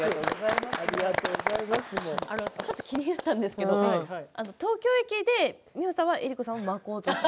ちょっと気になったんですけれど、東京駅で美穂さんは江里子さんをまこうと。